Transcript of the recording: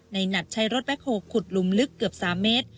ในหนัดใช้รถแบ็คโฮขุดลุมลึกเกือบสามเมตร